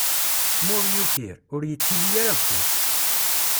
Ma ur yukir, ur yettili ara bxir.